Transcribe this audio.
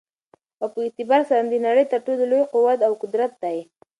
او په دي اعتبار سره دنړۍ تر ټولو لوى قوت او قدرت دى